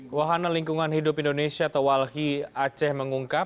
wahana lingkungan hidup indonesia atau walhi aceh mengungkap